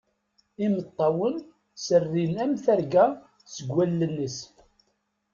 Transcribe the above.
Imeṭṭawen serrin am terga seg wallen-is.